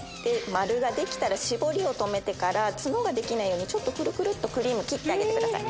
丸ができたら絞りを止めてから角ができないようにくるくるっとクリーム切ってください。